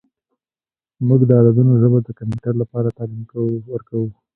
موږ د عددونو ژبه د کمپیوټر لپاره تعلیم ورکوو.